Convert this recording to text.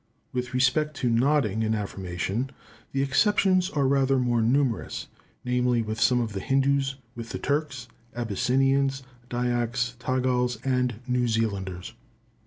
With respect to nodding in affirmation, the exceptions are rather more numerous, namely with some of the Hindoos, with the Turks, Abyssinians, Dyaks, Tagals, and New Zealanders.